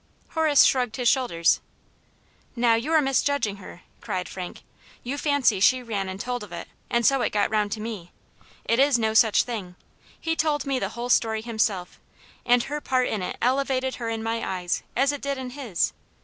Horace shrugged his shoulders. "Now, you are misjudging her!" cried Frank. You fancy she ran and told of it, ^nd ^so it got round to me. It is no such thing. He told me the whole story himself, and her part in it elevated 258 Atmt Janets Hero. her in my eyes, as it did in his.